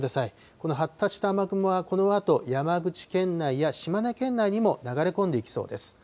この発達した雨雲は、このあと山口県内や島根県内にも流れ込んでいきそうです。